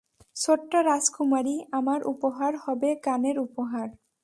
ছোট্ট রাজকুমারী, আমার উপহার হবে গানের উপহার।